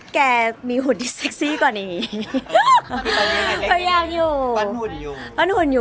แกมีหุ่นที่เซ็กซี่กว่านี้